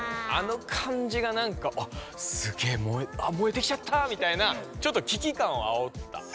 あの感じがなんかもえてきちゃったみたいなちょっときき感をあおった。